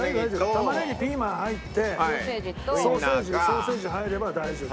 玉ねぎピーマン入ってソーセージ入れば大丈夫。